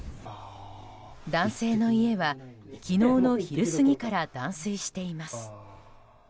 男性の家は、昨日の昼過ぎから断水しています。